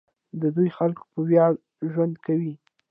د دوی خلک په ویاړ ژوند کوي.